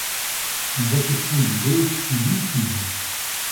La réception du jeu fut mitigée.